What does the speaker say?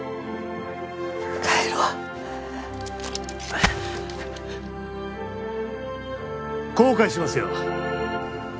帰ろう後悔しますよ